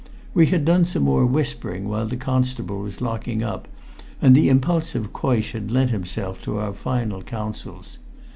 We had done some more whispering while the constable was locking up, and the impulsive Coysh had lent himself to our final counsels.